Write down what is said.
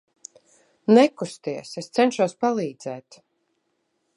Nekusties, es cenšos palīdzēt.